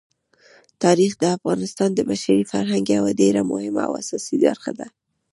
تاریخ د افغانستان د بشري فرهنګ یوه ډېره مهمه او اساسي برخه ده.